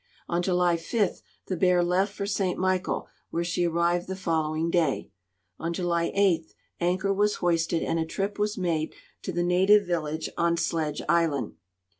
On July 5 the Bear left for St. Michael, where she arrived the following day. On July 8 anchor was hoisted and a trip was made to the native village on Sledge island.